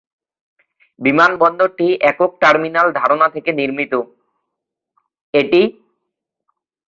বিমানবন্দরটি একক-টার্মিনাল ধারণা থেকে নির্মিত: একটি বৃহত টার্মিনাল তিনটি বৃহত প্রস্থান হলে বিভক্ত।